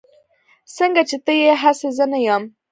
سنګه چې ته يي هسې زه نه يم